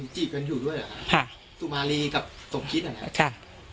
สุมารีกับสมฆิตอันนั้น